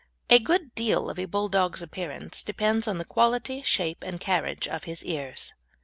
A good deal of a Bulldog's appearance depends on the quality, shape, and carriage of his ears.